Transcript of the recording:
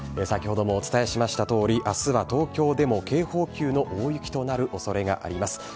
先ほどもお伝えしましたとおり、あすは東京でも警報級の大雪となるおそれがあります。